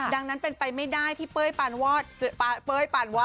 ดังนั้นเป็นไปไม่ได้ที่เป้ยปานเป้ยปานวาด